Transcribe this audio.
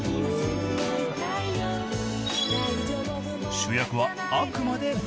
［主役はあくまで楽曲］